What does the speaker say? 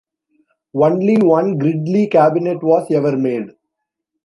Only one Gridlee cabinet was ever made.